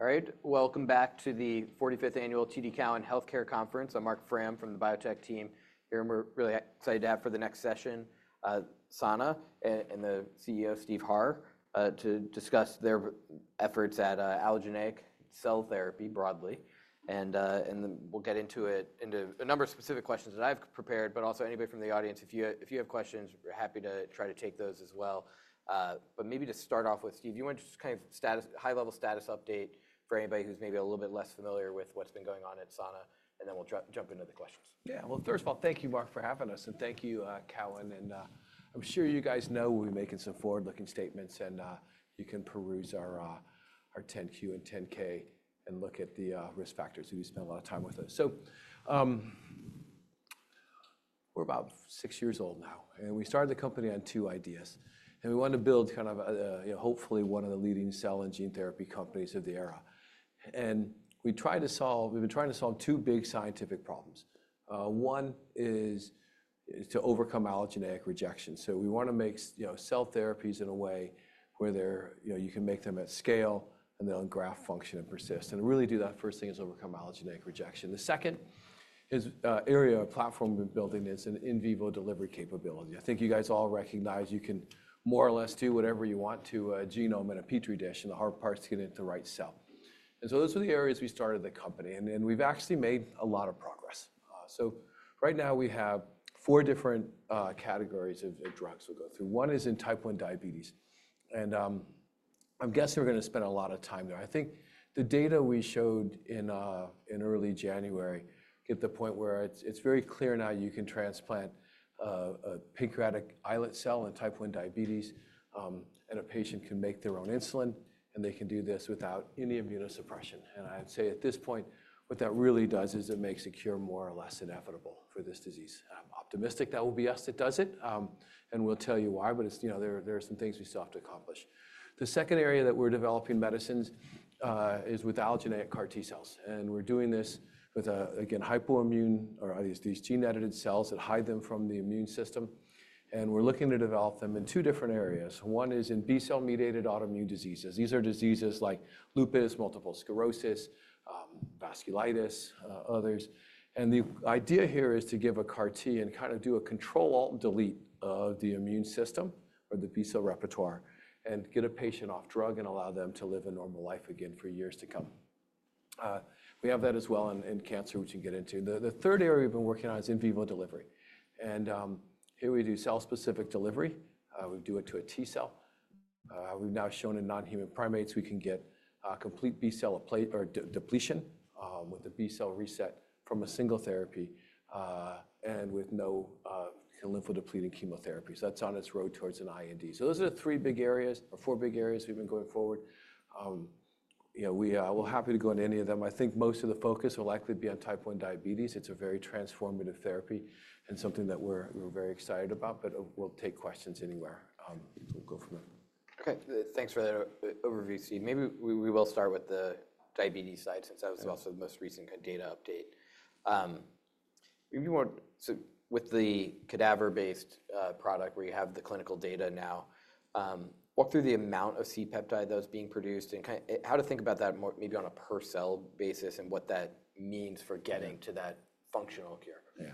All right, welcome back to the 45th Annual TD Cowen Healthcare Conference. I'm Marc Frahm from the Biotech team. We're really excited to have for the next session Sana and the CEO, Steve Harr, to discuss their efforts at allogeneic cell therapy broadly. We'll get into a number of specific questions that I've prepared, also anybody from the audience, if you have questions, we're happy to try to take those as well. Maybe to start off with, Steve, do you want to just kind of high-level status update for anybody who's maybe a little bit less familiar with what's been going on at Sana? Then we'll jump into the questions. Yeah, first of all, thank you, Marc, for having us. Thank you, Cowen. I'm sure you guys know we're making some forward-looking statements, and you can peruse our 10-Q and 10-K and look at the risk factors that you spent a lot of time with us. We're about six years old now. We started the company on two ideas. We wanted to build kind of, hopefully, one of the leading cell and gene therapy companies of the era. We tried to solve—we've been trying to solve two big scientific problems. One is to overcome allogeneic rejection. We want to make cell therapies in a way where you can make them at scale, and they'll graft, function, and persist. Really, the first thing is to overcome allogeneic rejection. The second area of platform we've been building is an in vivo delivery capability. I think you guys all recognize you can more or less do whatever you want to a genome in a petri dish, and the hard part is getting it to the right cell. Those are the areas we started the company. We've actually made a lot of progress. Right now, we have four different categories of drugs we'll go through. One is in type 1 diabetes. I'm guessing we're going to spend a lot of time there. I think the data we showed in early January get to the point where it's very clear now you can transplant a pancreatic islet cell in type 1 diabetes, and a patient can make their own insulin, and they can do this without any immunosuppression. I'd say at this point, what that really does is it makes a cure more or less inevitable for this disease. I'm optimistic that we'll be asked to do it. We'll tell you why. There are some things we still have to accomplish. The second area that we're developing medicines is with allogeneic CAR T-cells. We're doing this with, again, hypoimmune or these gene-edited cells that hide them from the immune system. We're looking to develop them in two different areas. One is in B-cell-mediated autoimmune diseases. These are diseases like Lupus, multiple Sclerosis, Vasculitis, others. The idea here is to give a CAR T and kind of do a control alt delete of the immune system or the B-cell repertoire and get a patient off drug and allow them to live a normal life again for years to come. We have that as well in cancer, which we'll get into. The third area we've been working on is in vivo delivery. Here we do cell-specific delivery. We do it to a T-cell. We've now shown in non-human primates we can get B-cell depletion with B-cell reset from a single therapy and with no lymphodepleting chemotherapy. That is on its road towards an IND. Those are the three big areas or four big areas we've been going forward. We're happy to go into any of them. I think most of the focus will likely be on type 1 diabetes. It's a very transformative therapy and something that we're very excited about. We'll take questions anywhere. We'll go from there. Ok, thanks for that overview, Steve. Maybe we will start with the diabetes side since that was also the most recent kind of data update. With the cadaver-based product where you have the clinical data now, walk through the amount of C-peptide that was being produced and kind of how to think about that maybe on a per-cell basis and what that means for getting to that functional cure? Yeah,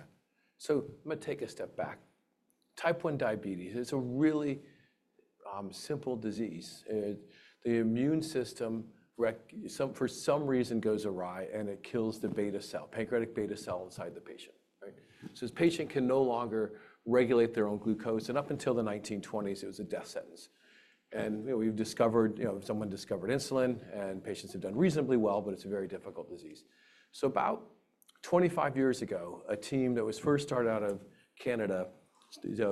so I'm going to take a step back. Type 1 diabetes is a really simple disease. The immune system, for some reason, goes awry, and it kills the beta cell, pancreatic beta cell inside the patient. This patient can no longer regulate their own glucose. Up until the 1920s, it was a death sentence. We discovered, someone discovered insulin, and patients have done reasonably well, but it's a very difficult disease. About 25 years ago, a team that was first started out of Canada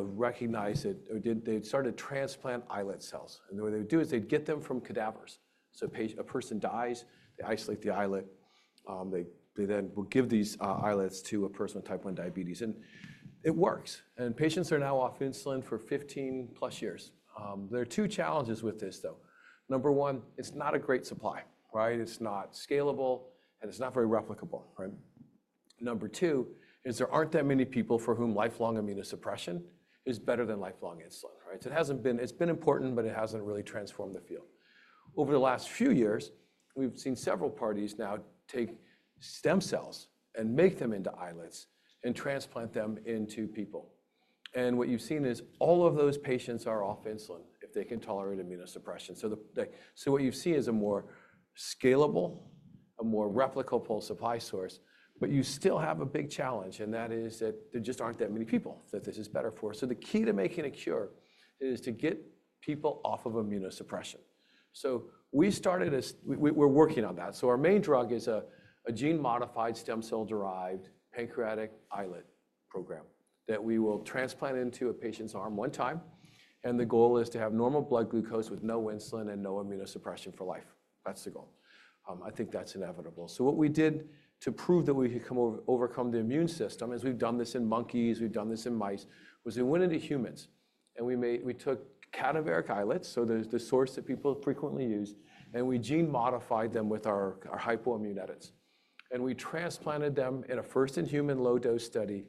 recognized that they had started to transplant islet cells. The way they would do it is they would get them from cadavers. A person dies, they isolate the islet. They then will give these islets to a person with type 1 diabetes. It works. Patients are now off insulin for 15-plus years. There are two challenges with this, though. Number one, it's not a great supply. It's not scalable, and it's not very replicable. Number two is there aren't that many people for whom lifelong immunosuppression is better than lifelong insulin. It hasn't been important, but it hasn't really transformed the field. Over the last few years, we've seen several parties now take stem cells and make them into islets and transplant them into people. What you've seen is all of those patients are off insulin if they can tolerate immunosuppression. What you see is a more scalable, a more replicable supply source. You still have a big challenge, and that is that there just aren't that many people that this is better for. The key to making a cure is to get people off of immunosuppression. We're working on that. Our main drug is a gene-modified stem cell-derived pancreatic islet program that we will transplant into a patient's arm one time. The goal is to have normal blood glucose with no insulin and no immunosuppression for life. That's the goal. I think that's inevitable. What we did to prove that we could overcome the immune system, as we've done this in monkeys, we've done this in mice, was we went into humans. We took cadaveric islets, so the source that people frequently use, and we gene-modified them with our hypoimmune edits. We transplanted them in a first-in-human low-dose study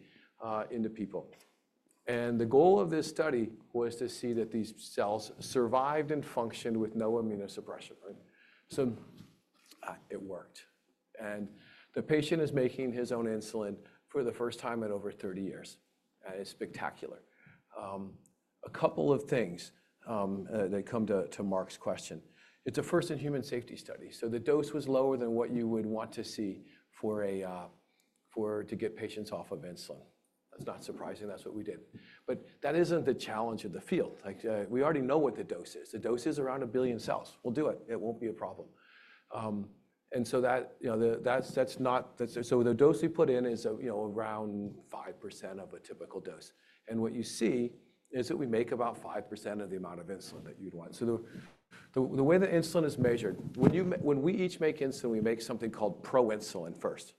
into people. The goal of this study was to see that these cells survived and functioned with no immunosuppression. It worked. The patient is making his own insulin for the first time in over 30 years. It's spectacular. A couple of things that come to Marc's question. It's a first-in-human safety study. The dose was lower than what you would want to see to get patients off of insulin. That's not surprising. That's what we did. That isn't the challenge of the field. We already know what the dose is. The dose is around a billion cells. We'll do it. It won't be a problem. The dose we put in is around 5% of a typical dose. What you see is that we make about 5% of the amount of insulin that you'd want. The way that insulin is measured, when we each make insulin, we make something called proinsulin first.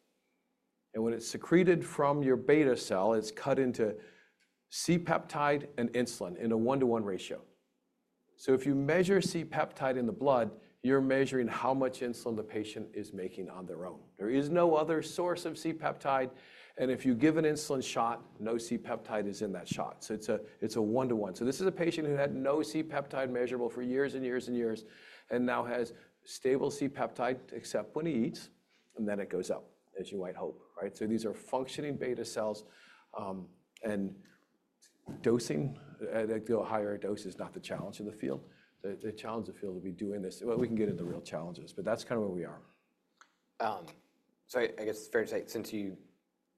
When it's secreted from your beta cell, it's cut into C-peptide and insulin in a one-to-one ratio. If you measure C-peptide in the blood, you're measuring how much insulin the patient is making on their own. There is no other source of C-peptide. If you give an insulin shot, no C-peptide is in that shot. It's a one-to-one. This is a patient who had no C-peptide measurable for years and years and years and now has stable C-peptide, except when he eats, and then it goes up, as you might hope. These are functioning beta cells. Dosing, the higher dose is not the challenge of the field. The challenge of the field would be doing this. We can get into real challenges. That's kind of where we are. I guess it's fair to say, since you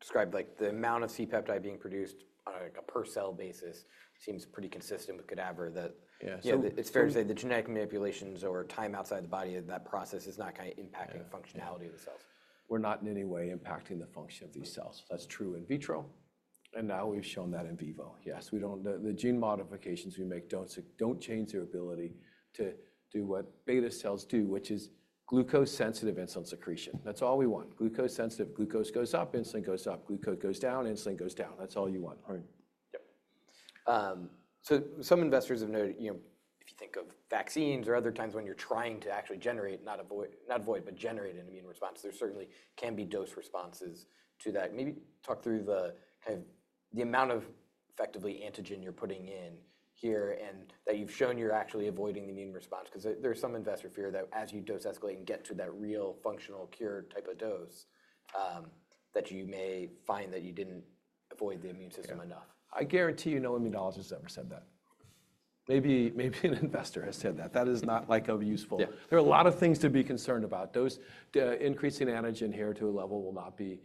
described the amount of C-peptide being produced on a per-cell basis seems pretty consistent with cadaver, that it's fair to say the genetic manipulations or time outside the body of that process is not kind of impacting functionality of the cells. We're not in any way impacting the function of these cells. That's true in vitro. And now we've shown that in vivo. Yes, the gene modifications we make don't change their ability to do what beta cells do, which is glucose-sensitive insulin secretion. That's all we want. Glucose-sensitive, glucose goes-up, insulin goes-up, glucose goes-down, insulin goes-down. That's all you want. Yep. Some investors have noted, if you think of vaccines or other times when you're trying to actually generate, not avoid, but generate an immune response, there certainly can be dose responses to that. Maybe talk through kind of the amount of effectively antigen you're putting in here and that you've shown you're actually avoiding the immune response. Because there's some investor fear that as you dose escalate and get to that real functional cure type of dose, that you may find that you didn't avoid the immune system enough. I guarantee you no immunologist has ever said that. Maybe an investor has said that. That is not like a useful, there are a lot of things to be concerned about. Those increasing antigen here to a level will not be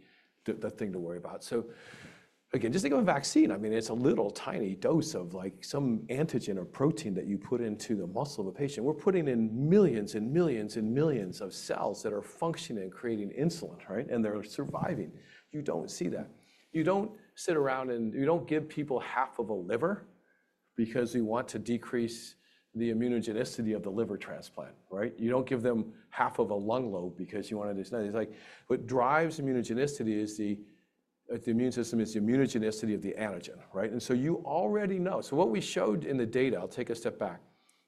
the thing to worry about. Just think of a vaccine. I mean, it's a little tiny dose of some antigen or protein that you put into the muscle of a patient. We're putting in millions and millions and millions of cells that are functioning, creating insulin, and they're surviving. You don't see that. You don't sit around and you don't give people half of a liver because you want to decrease the immunogenicity of the liver transplant. You don't give them half of a lung lobe because you want to do something. What drives immunogenicity is the immune system, is the immunogenicity of the antigen. You already know. What we showed in the data—I'll take a step back.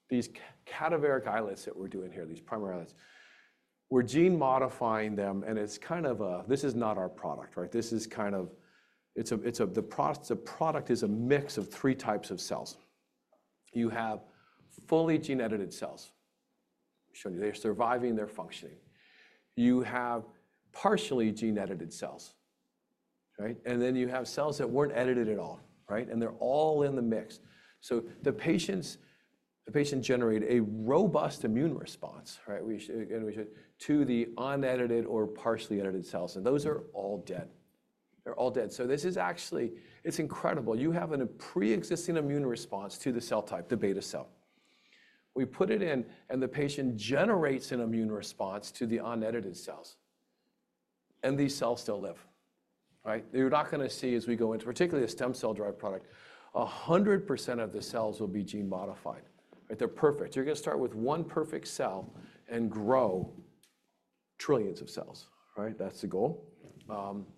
These cadaveric islets that we're doing here, these primary islets, we're gene-modifying them. It's kind of a—this is not our product. The product is a mix of three types of cells. You have fully gene-edited cells. We've shown you they're surviving. They're functioning. You have partially gene-edited cells. Then you have cells that weren't edited at all. They're all in the mix. The patients generate a robust immune response to the unedited or partially edited cells. Those are all dead. They're all dead. This is actually incredible. You have a pre-existing immune response to the cell type, the beta cell. We put it in, and the patient generates an immune response to the unedited cells. These cells still live. You're not going to see, as we go into particularly a stem cell-derived product, 100% of the cells will be gene-modified. They're perfect. You're going to start with one perfect cell and grow trillions of cells. That's the goal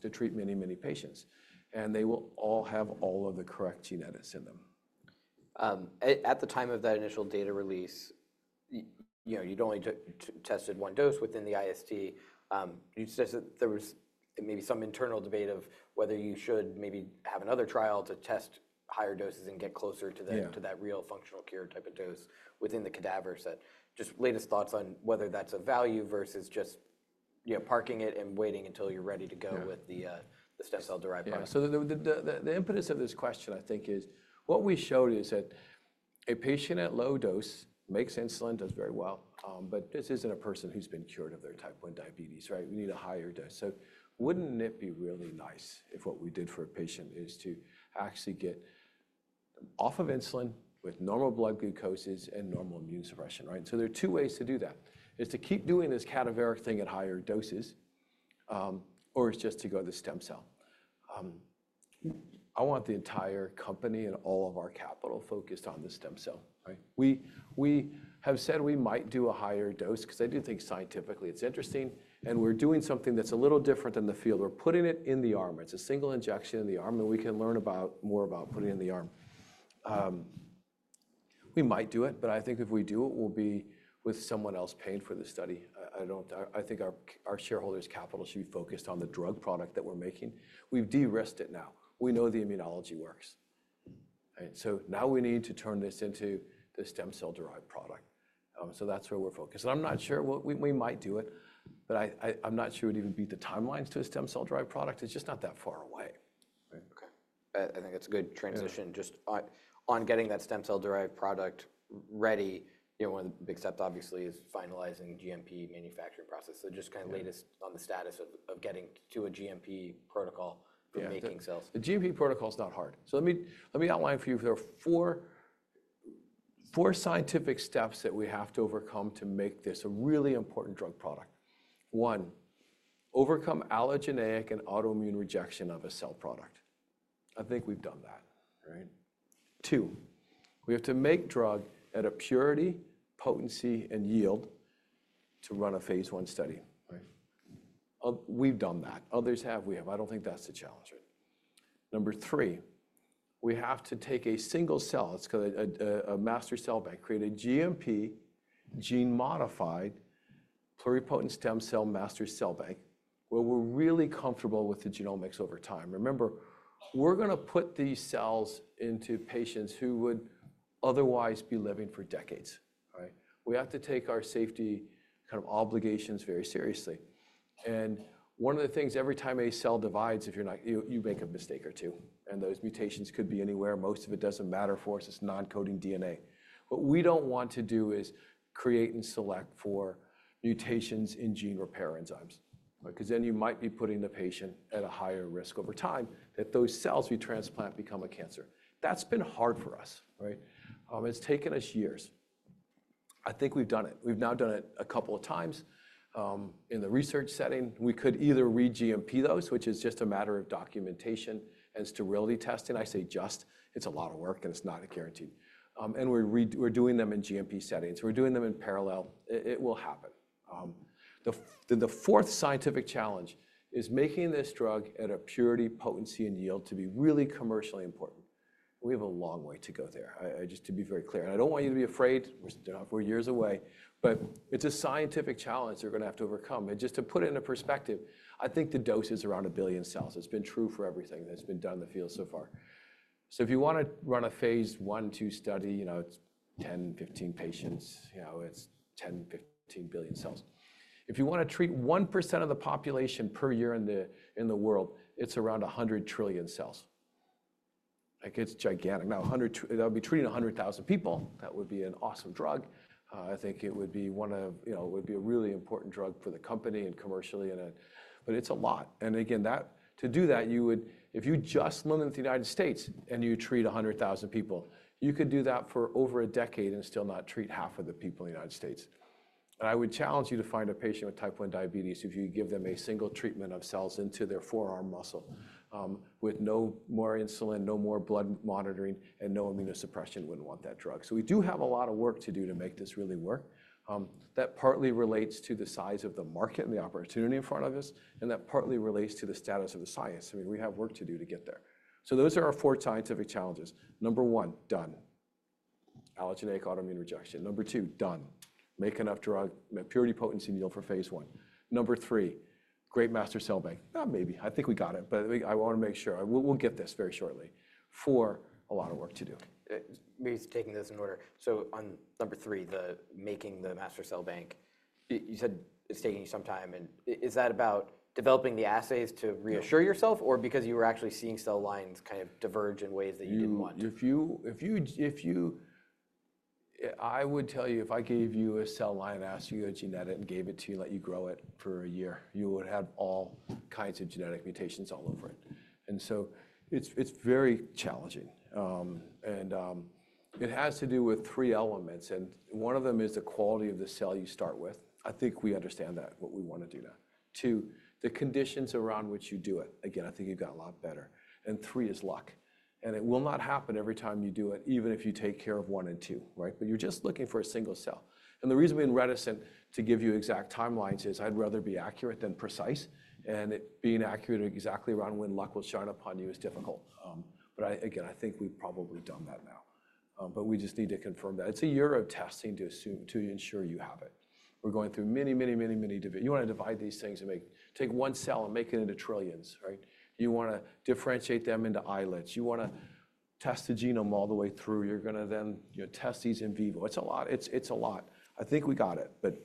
to treat many, many patients. They will all have all of the correct genetics in them. At the time of that initial data release, you'd only tested one dose within the IST. There was maybe some internal debate of whether you should maybe have another trial to test higher doses and get closer to that real functional cure type of dose within the cadaver set. Just latest thoughts on whether that's a value versus just parking it and waiting until you're ready to go with the stem cell-derived product? Yeah, so the impetus of this question, I think, is what we showed is that a patient at low dose makes insulin, does very well. This isn't a person who's been cured of their type 1 diabetes. We need a higher dose. Wouldn't it be really nice if what we did for a patient is to actually get off of insulin with normal blood glucoses and normal immune suppression? There are two ways to do that. It's to keep doing this cadaveric thing at higher doses, or it's just to go to the stem cell. I want the entire company and all of our capital focused on the stem cell. We have said we might do a higher dose because I do think scientifically it's interesting. We're doing something that's a little different than the field. We're putting it in the arm. It's a single injection in the arm. We can learn more about putting it in the arm. We might do it. I think if we do it, we'll be with someone else paying for the study. I think our shareholders' capital should be focused on the drug product that we're making. We've de-risked it now. We know the immunology works. Now we need to turn this into the stem cell-derived product. That's where we're focused. I'm not sure we might do it. I'm not sure it would even beat the timelines to a stem cell-derived product. It's just not that far away. Ok. I think that's a good transition. Just on getting that stem cell-derived product ready, one of the big steps, obviously, is finalizing the GMP manufacturing process. Just kind of latest on the status of getting to a GMP protocol for making cells. The GMP protocol is not hard. Let me outline for you. There are four scientific steps that we have to overcome to make this a really important drug product. One, overcome allogeneic and autoimmune rejection of a cell product. I think we've done that. Two, we have to make drug at a purity, potency, and yield to run a phase I study. We've done that. Others have. We have. I don't think that's the challenge. Number three, we have to take a single cell. That's a master cell bank. Create a GMP gene-modified pluripotent stem cell master cell bank where we're really comfortable with the genomics over time. Remember, we're going to put these cells into patients who would otherwise be living for decades. We have to take our safety kind of obligations very seriously. One of the things, every time a cell divides, you make a mistake or two. Those mutations could be anywhere. Most of it doesn't matter for us. It's non-coding DNA. What we don't want to do is create and select for mutations in gene repair enzymes. Because then you might be putting the patient at a higher risk over time that those cells we transplant become a cancer. That's been hard for us. It's taken us years. I think we've done it. We've now done it a couple of times in the research setting. We could either re-GMP those, which is just a matter of documentation and sterility testing. I say just. It's a lot of work, and it's not a guarantee. We're doing them in GMP settings. We're doing them in parallel. It will happen. The fourth scientific challenge is making this drug at a purity, potency, and yield to be really commercially important. We have a long way to go there, just to be very clear. I don't want you to be afraid. We're years away. It is a scientific challenge they're going to have to overcome. Just to put it into perspective, I think the dose is around a billion cells. It's been true for everything that's been done in the field so far. If you want to run a phase I study, it's 10 patients-15 patients. It's 10 billion-15 billion cells. If you want to treat 1% of the population per year in the world, it's around 100 trillion cells. It's gigantic. If we're treating 100,000 people, that would be an awesome drug. I think it would be one of, it would be a really important drug for the company and commercially. It is a lot. Again, to do that, if you just limited the United States and you treat 100,000 people, you could do that for over a decade and still not treat half of the people in the United States. I would challenge you to find a patient with type 1 diabetes, if you give them a single treatment of cells into their forearm muscle with no more insulin, no more blood monitoring, and no immunosuppression. Who would not want that drug? We do have a lot of work to do to make this really work. That partly relates to the size of the market and the opportunity in front of us. That partly relates to the status of the science. I mean, we have work to do to get there. Those are our four scientific challenges. Number one, done. Allogeneic autoimmune rejection. Number two, done. Make enough drug, purity, potency, and yield for phase I. Number three, great master cell bank. Not maybe. I think we got it. But I want to make sure. We'll get this very shortly. Four, a lot of work to do. Maybe taking this in order. On number three, the making the master cell bank, you said it's taking you some time. Is that about developing the assays to reassure yourself, or because you were actually seeing cell lines kind of diverge in ways that you didn't want? I would tell you, if I gave you a cell line and asked you to genetically give it to you and let you grow it for a year, you would have all kinds of genetic mutations all over it. It is very challenging. It has to do with three elements. One of them is the quality of the cell you start with. I think we understand that, what we want to do now. Two, the conditions around which you do it. Again, I think you've gotten a lot better. Three is luck. It will not happen every time you do it, even if you take care of one and two. You are just looking for a single cell. The reason I'm reticent to give you exact timelines is I'd rather be accurate than precise. Being accurate exactly around when luck will shine upon you is difficult. I think we've probably done that now. We just need to confirm that. It's a year of testing to ensure you have it. We're going through many, many, many, many different—you want to divide these things and take one cell and make it into trillions. You want to differentiate them into islets. You want to test the genome all the way through. You're going to then test these in vivo. It's a lot. I think we got it.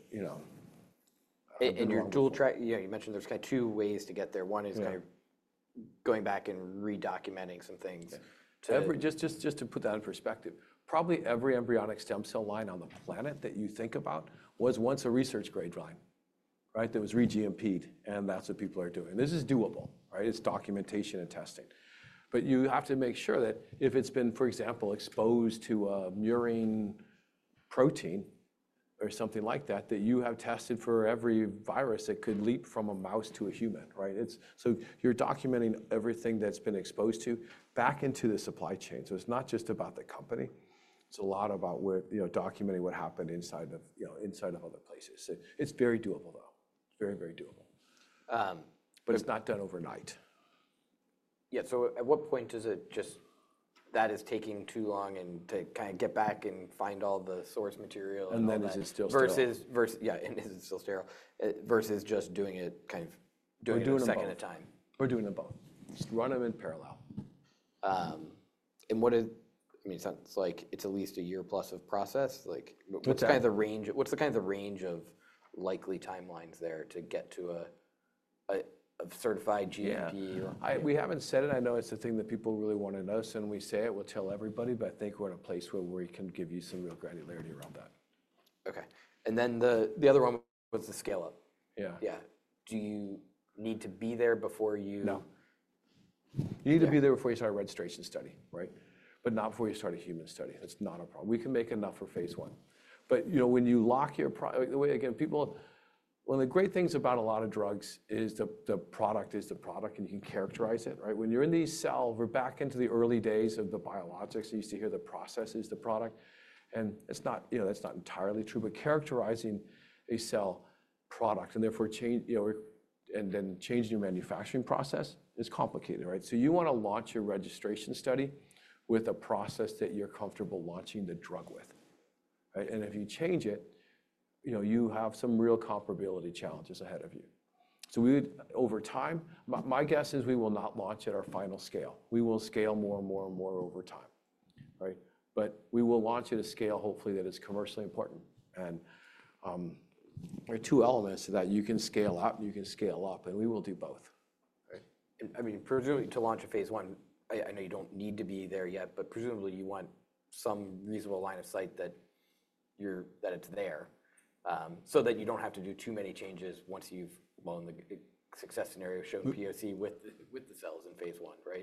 In your dual track, you mentioned there's kind of two ways to get there. One is kind of going back and redocumenting some things. Just to put that in perspective, probably every embryonic stem cell line on the planet that you think about was once a research grade line that was re-GMP. That is what people are doing. This is doable. It is documentation and testing. You have to make sure that if it has been, for example, exposed to a murine protein or something like that, you have tested for every virus that could leap from a mouse to a human. You are documenting everything that it has been exposed to back into the supply chain. It is not just about the company. It is a lot about documenting what happened inside of other places. It is very doable, though. Very, very doable. It is not done overnight. Yeah. At what point is it just that it is taking too long to kind of get back and find all the source material? Is it still sterile? Yeah. Is it still sterile versus just doing it kind of doing it a second at a time? We're doing them both. Just run them in parallel. What is it sounds like it's at least a year plus of process. What's kind of the range of likely timelines there to get to a certified GMP? We haven't said it. I know it's the thing that people really want to know. When we say it, we'll tell everybody. I think we're in a place where we can give you some real granularity around that. Ok. The other one was the scale-up. Yeah. Yeah. Do you need to be there before you? No. You need to be there before you start a registration study. Not before you start a human study. That's not a problem. We can make enough for phase I. When you lock your—the way, again, people, one of the great things about a lot of drugs is the product is the product. You can characterize it. When you're in these cells, we're back into the early days of the biologics. You used to hear the process is the product. That's not entirely true. Characterizing a cell product and then changing your manufacturing process is complicated. You want to launch your registration study with a process that you're comfortable launching the drug with. If you change it, you have some real comparability challenges ahead of you. Over time, my guess is we will not launch at our final scale. We will scale more and more and more over time. We will launch at a scale, hopefully, that is commercially important. There are two elements that you can scale up. You can scale up. We will do both. I mean, presumably, to launch a phase I, I know you don't need to be there yet. Presumably, you want some reasonable line of sight that it's there so that you don't have to do too many changes once you've won the success scenario, showed POC with the cells in phase I.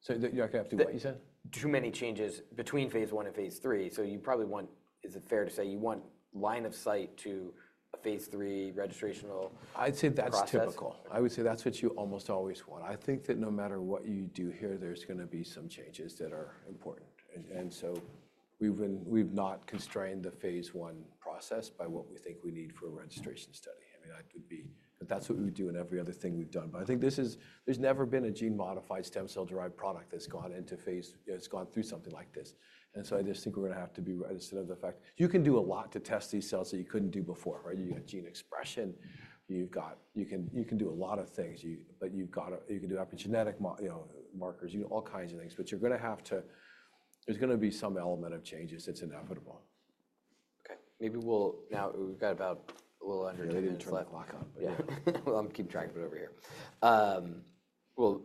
Sorry. I couldn't have to do what you said? Too many changes between phase I and phase III. You probably want, is it fair to say, you want line of sight to a phase III registrational process? I'd say that's typical. I would say that's what you almost always want. I think that no matter what you do here, there's going to be some changes that are important. We've not constrained the phase I process by what we think we need for a registration study. I mean, that would be what we would do in every other thing we've done. I think this is, there's never been a gene-modified stem cell-derived product that's gone into phase, it's gone through something like this. I just think we're going to have to be right instead of the fact you can do a lot to test these cells that you couldn't do before. You've got gene expression. You can do a lot of things. You can do epigenetic markers. You can do all kinds of things. You're going to have to, there's going to be some element of changes. It's inevitable. Ok. Maybe now we've got about a little under 10 minutes. Maybe we need to lock up. I'll keep track of it over here. We'll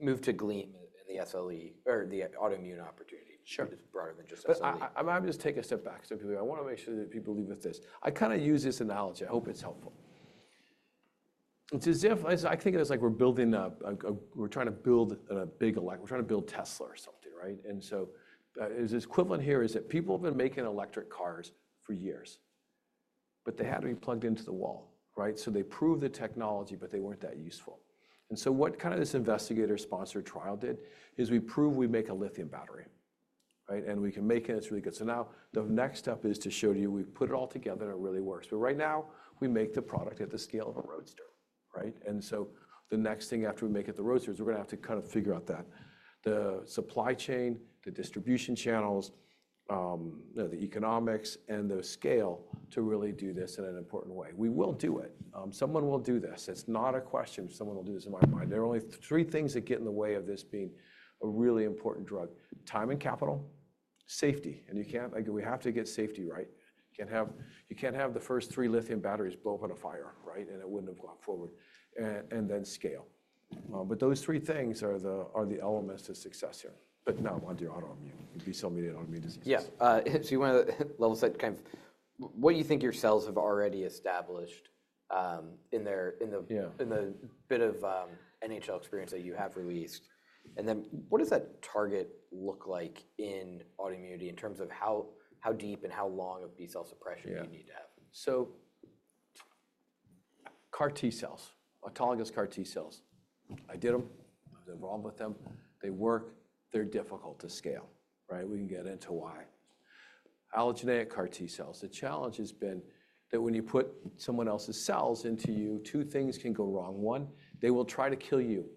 move to Gleam and the SLE or the autoimmune opportunity. It's broader than just SLE. I'm going to just take a step back. I want to make sure that people leave with this. I kind of use this analogy. I hope it's helpful. It's as if I think of it as like we're building a, we're trying to build a big electric, we're trying to build Tesla or something. The equivalent here is that people have been making electric cars for years, but they had to be plugged into the wall. They proved the technology, but they weren't that useful. What kind of this investigator-sponsored trial did is we proved we make a lithium battery, and we can make it. It's really good. Now the next step is to show you we put it all together, and it really works. Right now, we make the product at the scale of a roadster. The next thing after we make it the roadster is we're going to have to kind of figure out that the supply chain, the distribution channels, the economics, and the scale to really do this in an important way. We will do it. Someone will do this. It's not a question if someone will do this, in my mind. There are only three things that get in the way of this being a really important drug: time and capital, safety. We have to get safety right. You can't have the first three lithium batteries blow up on a fire. It wouldn't have gone forward. Scale. Those three things are the elements of success here. Not on the autoimmune. It'd be so many autoimmune diseases. Yeah. You want to level set kind of what do you think your cells have already established in the bit of NHL experience that you have released? What does that target look like in autoimmunity in terms of how deep and how long B-cell suppression you need to have? CAR T-cells, autologous CAR T-cells. I did them. I was involved with them. They work. They're difficult to scale. We can get into why. Allogeneic CAR T-cells. The challenge has been that when you put someone else's cells into you, two things can go wrong. One, they will try to kill you,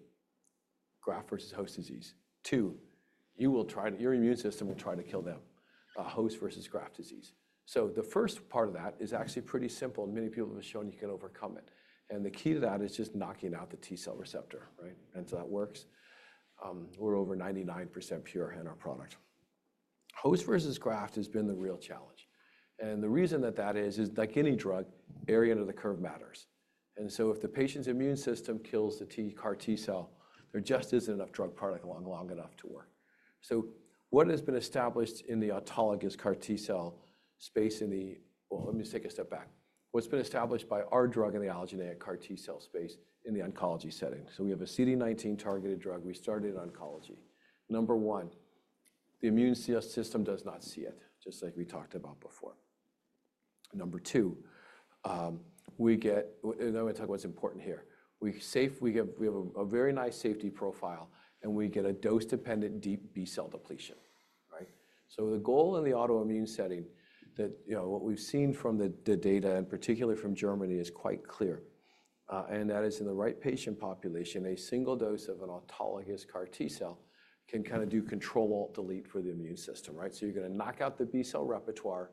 graft versus host disease. Two, your immune system will try to kill them, host versus graft disease. The first part of that is actually pretty simple. Many people have shown you can overcome it. The key to that is just knocking out the T-cell receptor. That works. We're over 99% pure in our product. Host versus graft has been the real challenge. The reason that that is, is like any drug, area under the curve matters. If the patient's immune system kills the CAR T-cell, there just isn't enough drug product long enough to work. What has been established in the autologous CAR T-cell space in the, let me just take a step back. What's been established by our drug in the allogeneic CAR T-cell space in the oncology setting? We have a CD19 targeted drug. We started in oncology. Number one, the immune system does not see it, just like we talked about before. Number two, we get, and I want to talk about what's important here. We have a very nice safety profile. We get a dose-dependent B-cell depletion. The goal in the autoimmune setting, what we've seen from the data, and particularly from Germany, is quite clear. That is in the right patient population, a single dose of an autologous CAR T-cell can kind of do control alt-delete for the immune system. You are going to knock out the B-cell repertoire.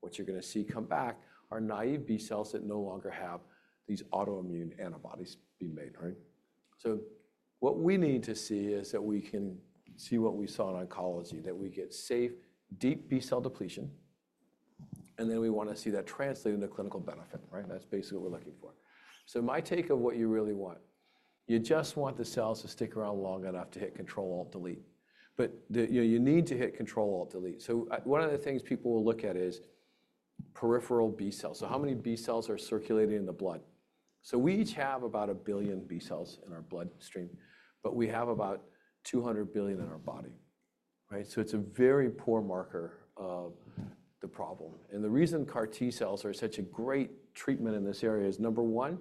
What you are going to see come back are naive B-cells that no longer have these autoimmune antibodies being made. What we need to see is that we can see what we saw in oncology, that we get safe deep B-cell depletion. We want to see that translate into clinical benefit. That is basically what we are looking for. My take of what you really want, you just want the cells to stick around long enough to hit control alt-delete. You need to hit control alt-delete. One of the things people will look at is peripheral B-cells. How many B-cells are circulating in the blood? We each have about a billion B-cells in our bloodstream. We have about 200 billion in our body. It is a very poor marker of the problem. The reason CAR T-cells are such a great treatment in this area is, number one,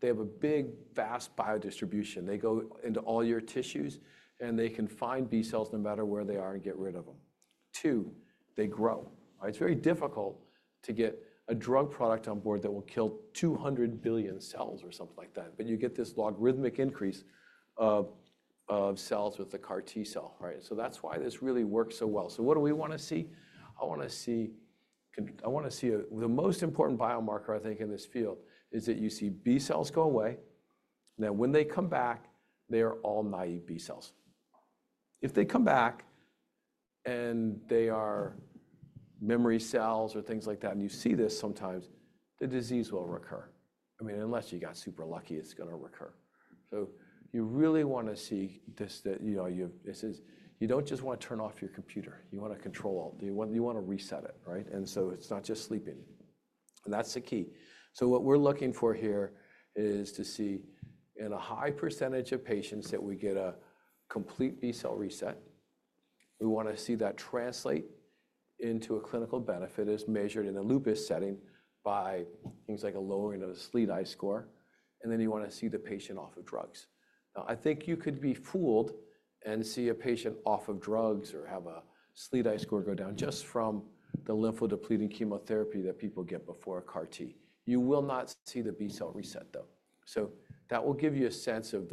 they have a big, vast bio-distribution. They go into all your tissues. They can find B-cells no matter where they are and get rid of them. Two, they grow. It is very difficult to get a drug product on board that will kill 200 billion cells or something like that. You get this logarithmic increase of cells with the CAR T-cell. That is why this really works so well. What do we want to see? I want to see the most important biomarker, I think, in this field is that you see B-cells go away. When they come back, they are all naive B-cells. If they come back and they are memory cells or things like that, and you see this sometimes, the disease will recur. I mean, unless you got super lucky, it's going to recur. You really want to see this that you do not just want to turn off your computer. You want control alt delete. You want to reset it. It is not just sleeping. That is the key. What we are looking for here is to see in a high percentage of patients that we get a complete B-cell reset. We want to see that translate into a clinical benefit as measured in a lupus setting by things like a lowering of the SLEDAI score. You want to see the patient off of drugs. Now, I think you could be fooled and see a patient off of drugs or have a SLEDAI score go down just from the lymphodepleting chemotherapy that people get before a CAR T. You will not see the B-cell reset, though. That will give you a sense of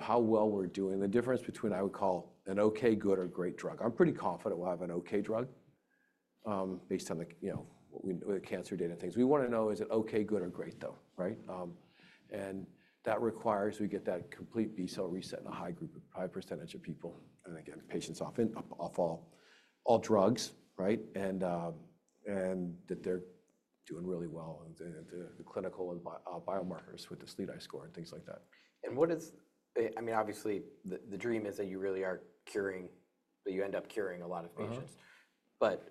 how well we're doing, the difference between I would call an Ok, good, or great drug. I'm pretty confident we'll have an Ok drug based on the cancer data and things. We want to know, is it Ok, good, or great, though? That requires we get that complete B-cell reset in a high percentage of people. Again, patients often off all drugs and that they're doing really well in the clinical biomarkers with the SLEDAI score and things like that. I mean, obviously, the dream is that you really are curing, that you end up curing a lot of patients.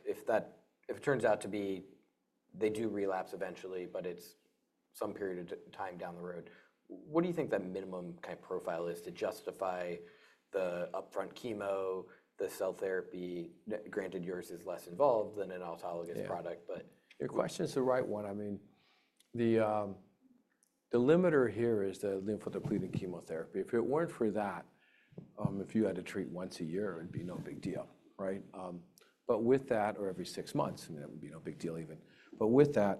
If it turns out to be they do relapse eventually, but it's some period of time down the road, what do you think that minimum kind of profile is to justify the upfront chemo, the cell therapy? Granted, yours is less involved than an autologous product. Your question is the right one. I mean, the limiter here is the lymphodepleting chemotherapy. If it were not for that, if you had to treat once a year, it would be no big deal. With that, or every six months, I mean, that would be no big deal even. With that,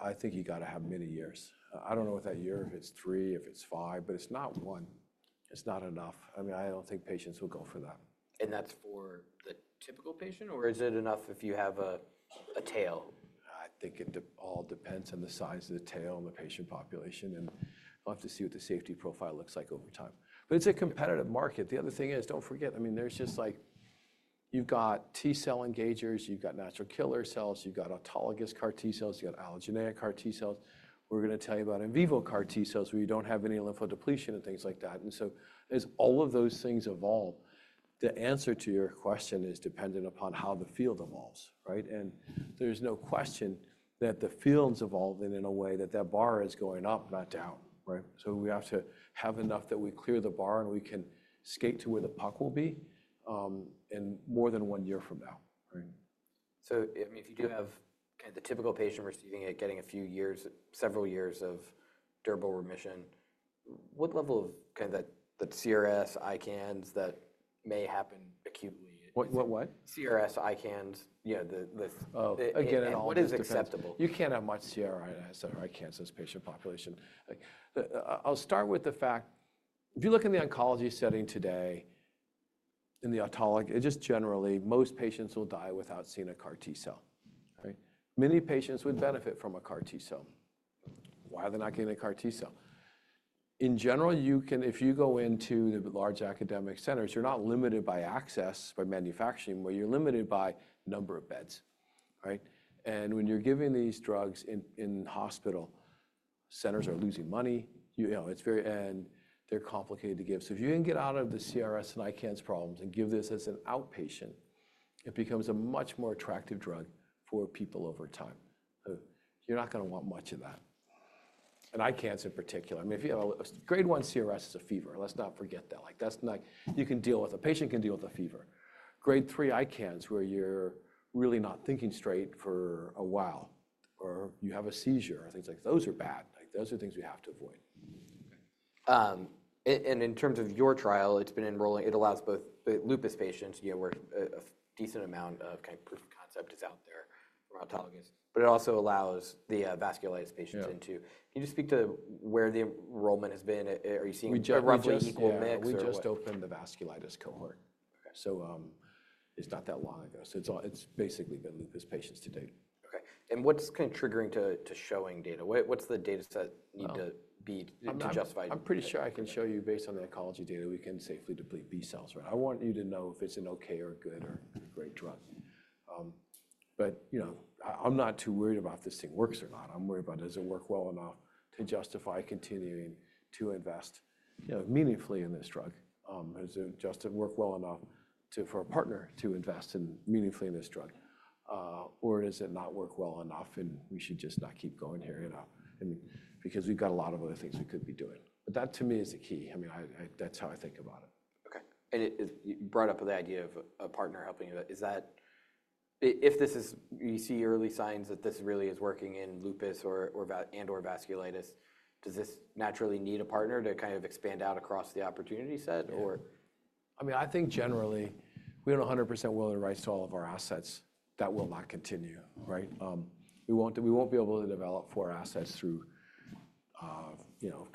I think you have to have many years. I do not know what that year is. If it is three, if it is five. It is not one. It is not enough. I mean, I do not think patients will go for that. Is that for the typical patient? Or is it enough if you have a tail? I think it all depends on the size of the tail and the patient population. We'll have to see what the safety profile looks like over time. It is a competitive market. The other thing is, don't forget, I mean, there's just like you've got T-cell engagers. You've got natural killer cells. You've got autologous CAR T-cells. You've got allogeneic CAR T-cells. We're going to tell you about in vivo CAR T-cells where you don't have any lymphodepletion and things like that. As all of those things evolve, the answer to your question is dependent upon how the field evolves. There is no question that the field's evolving in a way that that bar is going up, not down. We have to have enough that we clear the bar and we can skate to where the puck will be in more than one year from now. I mean, if you do have kind of the typical patient receiving it, getting a few years, several years of durable remission, what level of kind of the CRS, ICANS that may happen acutely? What, what? CRS, ICANS, the. Oh, again, in all. What is acceptable? You can't have much CRS or ICANS in this patient population. I'll start with the fact if you look in the oncology setting today, in the autologous, just generally, most patients will die without seeing a CAR T-cell. Many patients would benefit from a CAR T-cell. Why are they not getting a CAR T-cell? In general, if you go into the large academic centers, you're not limited by access, by manufacturing. You're limited by number of beds. When you're giving these drugs in hospital centers, you're losing money, and they're complicated to give. If you can get out of the CRS and ICANS problems and give this as an outpatient, it becomes a much more attractive drug for people over time. You're not going to want much of that. ICANS in particular. I mean, if you have a Grade 1 CRS, it's a fever. Let's not forget that. You can deal with a patient can deal with a fever. Grade 3 ICANS, where you're really not thinking straight for a while, or you have a seizure or things like those are bad. Those are things we have to avoid. In terms of your trial, it's been enrolling. It allows both lupus patients. We're a decent amount of kind of proof of concept is out there for autologous. It also allows the vasculitis patients in too. Can you just speak to where the enrollment has been? Are you seeing roughly equal mix? We just opened the vasculitis cohort. It is not that long ago. It has basically been lupus patients to date. Ok. What's kind of triggering to showing data? What's the data set need to justify? I'm pretty sure I can show you based on the oncology data, we can safely deplete B-cells. I want you to know if it's an Ok or good or great drug. I'm not too worried about this thing works or not. I'm worried about does it work well enough to justify continuing to invest meaningfully in this drug? Does it just work well enough for a partner to invest in meaningfully in this drug? Does it not work well enough? We should just not keep going here because we've got a lot of other things we could be doing. That, to me, is the key. I mean, that's how I think about it. Ok. You brought up the idea of a partner helping you. If you see early signs that this really is working in lupus and/or vasculitis, does this naturally need a partner to kind of expand out across the opportunity set? I mean, I think generally, we do not 100% will and rise to all of our assets. That will not continue. We will not be able to develop four assets through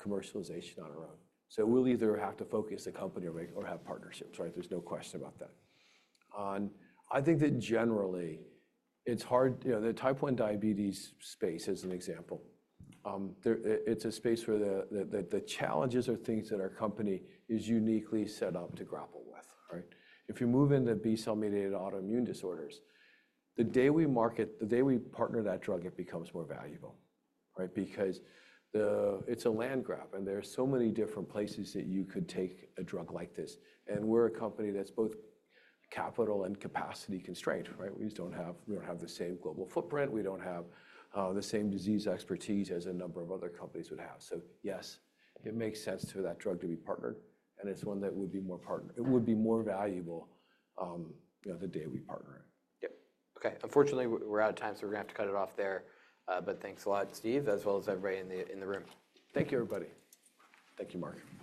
commercialization on our own. We will either have to focus the company or have partnerships. There is no question about that. I think that generally, it is hard. The type 1 diabetes space, as an example, is a space where the challenges are things that our company is uniquely set up to grapple with. If you move into B-cell mediated autoimmune disorders, the day we market, the day we partner that drug, it becomes more valuable. Because it is a land grab. There are so many different places that you could take a drug like this. We are a company that is both capital and capacity constrained. We just do not have the same global footprint. We don't have the same disease expertise as a number of other companies would have. Yes, it makes sense for that drug to be partnered. It's one that would be more partnered. It would be more valuable the day we partner it. Yep. Ok. Unfortunately, we're out of time. We're going to have to cut it off there. Thanks a lot, Steve, as well as everybody in the room. Thank you, everybody. Thank you, Marc.